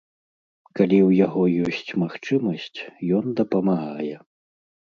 Калі ў яго ёсць магчымасць, ён дапамагае.